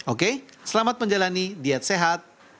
oke selamat menjalani diet sehat